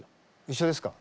一緒ですか？